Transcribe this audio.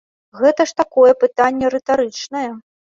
Гэта ж такое пытанне рытарычнае.